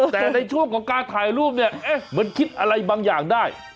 แต่ในช่วงการถ่ายรูปมันคิดอะไรบางอย่างได้